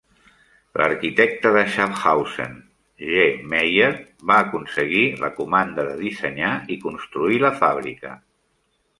L'arquitecte de Schaffhausen G. Meyer va aconseguir la comanda de dissenyar i construir la fàbrica.